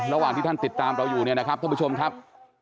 ระหว่างที่ท่านติดตามเราอยู่เนี่ยนะครับท่านผู้ชมครับ